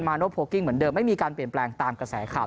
โนโพลกิ้งเหมือนเดิมไม่มีการเปลี่ยนแปลงตามกระแสข่าว